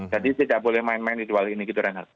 jadi tidak boleh main main di dua hal ini gitu reinhard